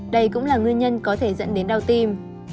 đây cũng là nguyên nhân có thể dẫn đến đau tim